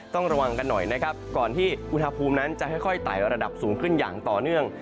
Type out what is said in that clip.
ต้องระวังกันหน่อยนะครับก่อนที่อุณหภูมินั้นจะค่อยไต่ระดับสูงขึ้นอย่างต่อเนื่อง